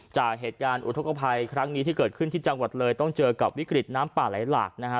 จากเหตุการณ์อุทธกภัยครั้งนี้ที่เกิดขึ้นที่จังหวัดเลยต้องเจอกับวิกฤตน้ำป่าไหลหลากนะฮะ